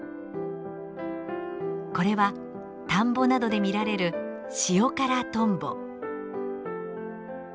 これは田んぼなどで見られるシオカラトンボ。